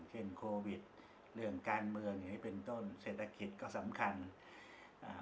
เช่นโควิดเรื่องการเมืองอย่างงี้เป็นต้นเศรษฐกิจก็สำคัญอ่า